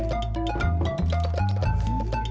ada orangnya disini